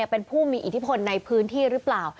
เป็นผู้มีอิทธิพลในพื้นที่หรือเปล่า